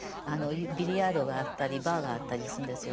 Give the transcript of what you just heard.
ビリヤードがあったりバーがあったりするんですよ。